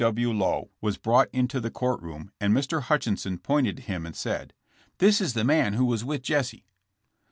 W. W. Lowe was brought into the court room and Mr. Hutchison pointed to him and said : That is the man who was with Jesse.''